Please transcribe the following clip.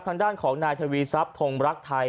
ทางด้านของนายทวีซัพพงศ์รักษณ์ไทย